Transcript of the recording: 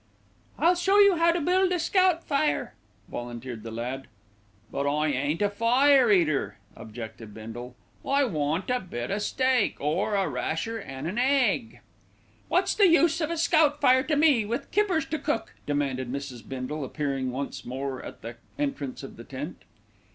"I'll show you how to build a scout fire," volunteered the lad. "But I ain't a fire eater," objected Bindle. "I want a bit o' steak, or a rasher an' an egg." "What's the use of a scout fire to me with kippers to cook?" demanded Mrs. Bindle, appearing once more at the entrance of the tent.